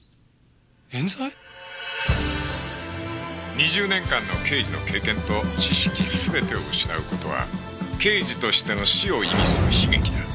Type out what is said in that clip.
２０年間の刑事の経験と知識全てを失う事は刑事としての死を意味する悲劇だ